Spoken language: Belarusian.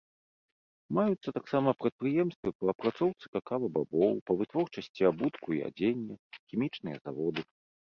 Маюцца таксама прадпрыемствы па апрацоўцы какава-бабоў, па вытворчасці абутку і адзення, хімічныя заводы.